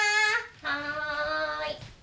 はい。